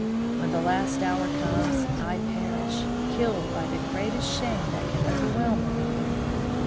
When that hour comes, I perish, killed by the greatest shame that can overwhelm a woman.